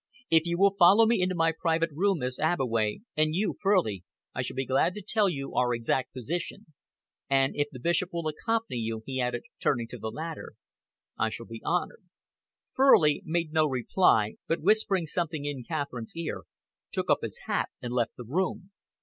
If you will follow me into my private room, Miss Abbeway, and you, Furley, I shall be glad to tell you our exact position. And if the Bishop will accompany you," he added, turning to the latter, "I shall be honoured." Furley made no reply, but, whispering something in Catherine's ear, took up his hat and left the room.